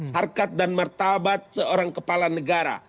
harkat dan martabat seorang kepala negara